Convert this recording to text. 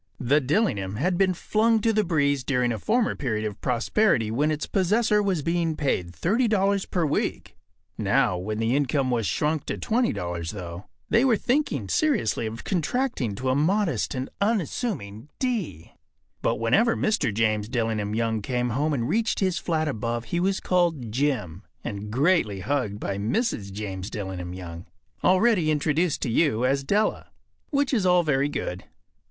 ” The “Dillingham” had been flung to the breeze during a former period of prosperity when its possessor was being paid $30 per week. Now, when the income was shrunk to $20, though, they were thinking seriously of contracting to a modest and unassuming D. But whenever Mr. James Dillingham Young came home and reached his flat above he was called “Jim” and greatly hugged by Mrs. James Dillingham Young, already introduced to you as Della. Which is all very good.